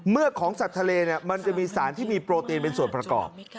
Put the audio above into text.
ของสัตว์ทะเลมันจะมีสารที่มีโปรตีนเป็นส่วนประกอบ